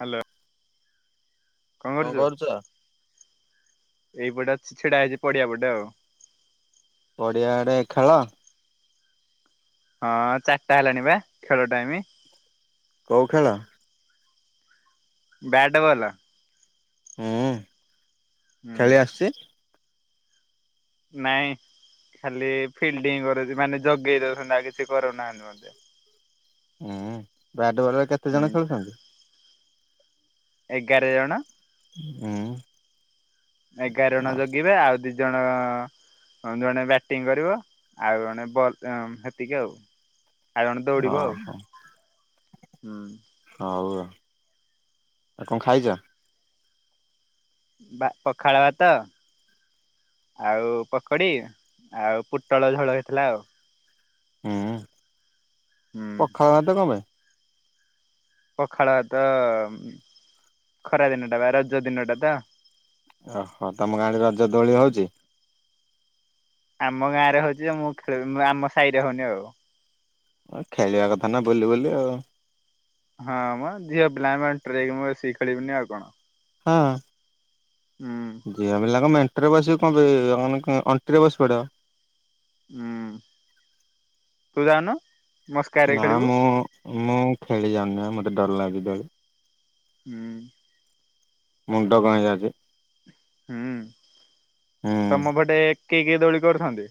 Hello. କଣ କରୁଛୁ? ଏଇପଟେ ଅଛି ଛିଡା ହେଇଛି ପଡିଆ ପଟେ ଆଉ। ପଡିଆଆଡେ ଖେଳ? ହଁ, ଚାରିଟା ହେଲାଣି ବା ଖେଳ ଟାଇମ। କୋଉ ଖେଳ? Bat ball. ହୁଁ, ହୁଁ ଖେଳି ଆସିଛି। ନାଇଁ, ଖାଲି ଫିଲ୍ଡିଂ କରୁଛି ମାନେ ଜଗେଇ ଦଉଛନ୍ତି ଆଉ କିଛି କରଉନାହାନ୍ତି ମତେ।? [inaudible] ହୁଁ, ବ୍ୟାଟ ବଲ୍ ରେ କେତେ ହୁଁ ଜଣ ଖେଳୁଛନ୍ତି? ଏଗାର ଜଣ। ହୁଁ। ଏଗାର ଅ ଜଣ ଜଗିବେ, ଆଉ ଦି ଜଣ ହଁ ଜଣେ ବ୍ୟାଟିଂ କରିବ, ଆଉ ଜଣେ ବଲ୍ ହେତିକି ଆଉ। ଆଉ ଜଣ ଦୌଡିବ ଆଉ। ହୁଁ ହଉ ଆଉ, ଆଉ କଣ ଖାଇଛ? ବା ପଖାଳ ଭାତ। ଆଉ ପକଡି, ଆଉ ପୋଟଳ ଝୋଳ ହେଇଥିଲା ଆଉ। ହୁଁ, ହୁଁ ପଖାଳ ଭାତ କଣ ପାଇଁ? ପଖାଳ ଭାତ, ଖରା ଦିନଟା ବା ରଜ ଦିନ ଟା ତ। ଓହୋ, ତମ ଗାଁରେ ରଜ ଦୋଳି ହଉଛି? ଆମ ଗାଁରେ ହଉଛି, ମୁଁ ଖେଳି ଆମ ସାହିରେ ହଉନି ଆଉ। ଆ ଖେଳିବା କଥା ନା ବୁଲି ବୁଲି ଆଉ। ହଁ ମ, ଝିଅ ପିଲାମାନେ ଟ୍ରିକ୍ ମୁଁ ବସିକି ଖେଳିବିନି ଆଉ କଣ? ହଁ, ହୁଁ ଝିଅପିଲାଙ୍କ ମେ ବସିବ କଣ ପାଇଁ ଅଣ୍ଟିରେ ବସିପଡ଼ିବ। ହୁଁ, ତୁ ଜାଉନୁ। ନା ମୁଁ ମୁଁ ଖେଳି ଯାଉନି ଆଉ, ମତେ ଡର ଲାଗୁଛି ଦୋଳି। ହୁଁ ମୁଣ୍ଡ କଣ ହେଇ ଯାଉଛି। ହୁଁ, ହୁଁ। ତମ ପଟେ କିଏ କିଏ ଦୋଳି କରୁଛନ୍ତି?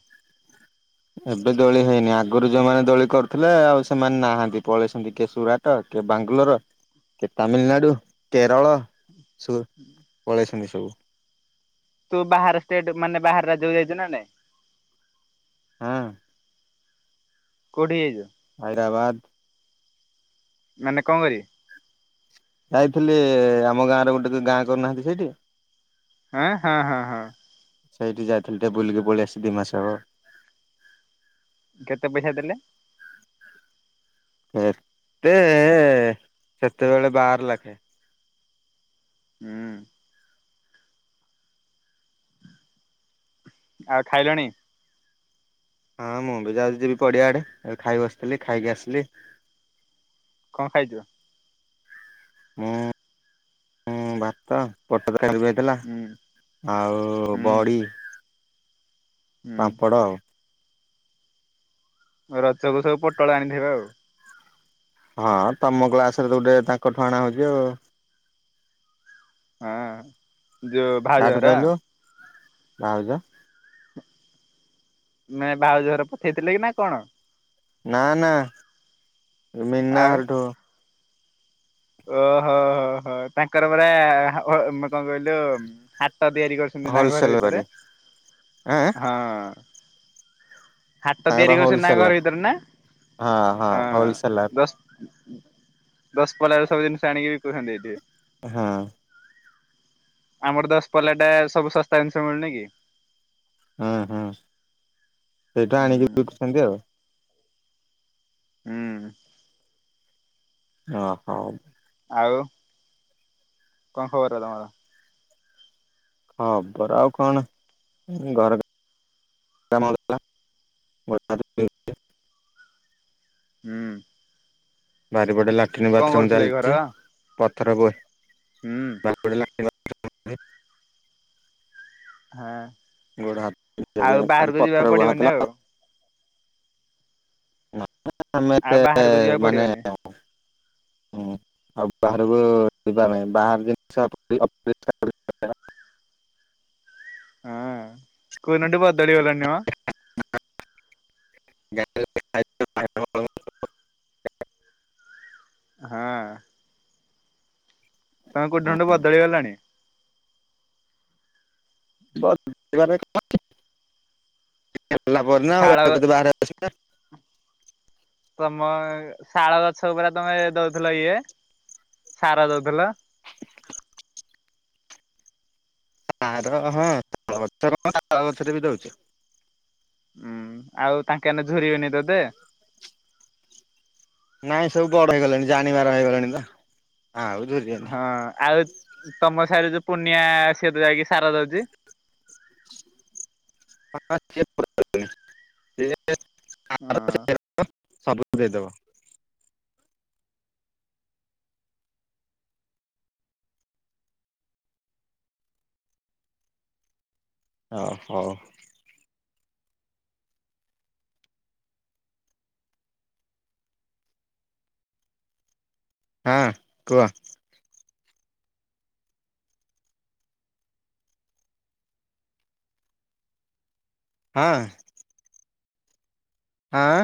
ଏବେ ଦୋଳି ହେଇନି, ଆଗରୁ ଯୋଉମାନେ ଦୋଳି କରୁଥିଲେ ଆଉ ସେମାନେ ନାହାନ୍ତି। ପଳେଇଛନ୍ତି କିଏ ସୁରାଟ। କିଏ ବାଙ୍ଗାଲୋର, କିଏ ତାମିଲନାଡୁ, କେରଳ। ପଳେଇଛନ୍ତି ସବୁ। ତୁ ବାହାର ଷ୍ଟେଟ୍, ମାନେ ବାହାର ରାଜ୍ୟକୁ ଯାଇଛୁ ନା ନାଇଁ। ଆଁ। କଉଠି ହେଇଚ? ହାଇଦ୍ରାବାଦ୍। ମାନେ କଣ କରି ଯାଇଥିଲି ଆମ ଗାଁ ର ଗୋଟେ ଗାଁ କରୁନାହାନ୍ତି ସେଇଠି? ଆଁ- ହଁ- ହଁ -ହଁ। ସେଇଠି ଯାଇଥିଲି ଟିକେ ବୁଲିକି ପଳେଇ ଆସିଲି ଦି ମାସ ହବ। କେତେ ପଇସା ଦେଲେ? ଏତେ ସେତେବେଳେ ବାର ଲାଖେ। ହୁଁ ଆଉ ଖାଇଲଣି? ହଁ ମୁଁ ବି ଯାଉଚି ଯିବି ପଡିଆ ଆଡେ ଖାଇ ବସିଥିଲି ଖାଇକି ଆସିଲି। କଣ ଖାଇଥିଲ? ମୁଁ ଭାତ [unintelligible] ହେଇଥିଲା। ହୁଁ ଆଉ ହୁଁ ବଡ଼ି ହୁଁ ପାମ୍ପଡ଼ ଆଉ। ରଜକୁ ସବୁ ପୋଟଳ ଆଣିଥିବେ ଆଉ। ହଁ ତମ କ୍ଲାସ୍ ସ ରେ ତ ଗୋଟେ ତାଙ୍କଠୁ ଆଣା ହଉଚି ଆଉ। ଆଁ। ଯଉ କାଠୁ କହିଲୁ କା ଅଜା? ନାଇ ଭାଉଜ ହର ପଠେଇଥିଲେ କି ନା କଣ? ନା ନା ଏ ମିନା ଆଉ ହରଠୁ ଓହୋ ହୋ ହୋ ତାଙ୍କର ପରା ହା- ହ- ମୁଁ କଣ କହିଲୁ ହାଟ ତିଆରି କରି ଚନ୍ତି ତା ଘର ହୋଲସେଲ ଭିତରେ? କରି ଆଁ ହାଟ ତିଆରି ତାଙ୍କର କରିଚନ୍ତି ନା ହୋଲସେଲର ଘର ଭିତରେ ହଁ ହଁ ନା? ହୋଲସେଲର [unintelligible] ସବୁ ଜିନିଷ ଆଣିକି ବିକୁଚନ୍ତି ଏଇଠି। ହଁ। ଆମର ଦଶ୍ ପଲା ଟା ସବୁ ଶସ୍ତା ଜିନିଷ ମିଳୁନି କି? ହଁ -ହଁ ସେଇଠୁ ଆଣିକି ହୁଁ ବିକୁଚନ୍ତି ଆଉ‌। ହୁଁ। ଓ ହଁଉ। ଆଉ କଣ ଖବର ତମର? ଖବର ଆଉ କଣ ଘର [inaudible] ହୁଁ। ବାରିପଟେ ଲାଟିନ୍ କଣ ବାଥରୁମ୍ କରୁଥିଲେ କି ଘର ଚାଲିଚି। [inaudible] ହୁଁ ହଁ ଗୋଡ ଆଉ ବାହାରକୁ ଯିବାକୁ ପଡିବନି [inaudible] ଆଉ [unintelligible] ଆମେ ଆଉ ଏତେ ବାହାରକୁ ଯିବାକୁ ମାନେ [inaudible] ପଡିବନି ହଁ କଉ ଦିନଠୁ ବଦଳି ଗଲଣି ମ। [inaudible] ହଁ। ତମେ କଉ ଦିନଠୁ ବଦଳି ଗଲଣି? ବିଲା ପରେ ନା ଆଉ ବାହ ଶାଳ ଆସ [inaudible] ତମ ଶାଳ ଗଛ ପୁରା ତମେ ଦଉଥିଲ ଇଏ ସାର ଦଉଥିଲ? ତାର ହଁଳ ଗଛର ହଁ ତାଳ ଗଛରେ ବି ଦଉଛ [inaudible] ହୁଁ ଆଉ ତାଙ୍କେ ଏଇନେ ଝୁୁରି ବେନି ତତେ? ନାଇଁ ସବୁ ବଡ ହେଇଗଲେଣି ଜାଣିବାର ହେଇଗଲେଣି ଵା ଆଉ ଝ ହଁ ଆଉ ତମ ସାଙ୍ଗେରେ ଯୋଉ ପୁନିଆ ସେତ ଯାଇକି ସାର ଦଉଛି। ହଁ [inaudible] ହଁ ସବୁଠି ଦେଇଦବ। ହ ହଉ। ହଁ କୁହ ହଁ ଆଁ